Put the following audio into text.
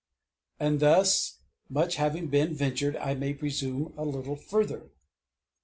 _And thus much having been ventured, I may presume a little further.